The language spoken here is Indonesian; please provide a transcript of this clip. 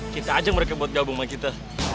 kita aja mereka buat gabung sama kita